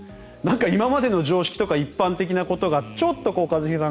今までの常識とか一般的なことがちょっと一茂さん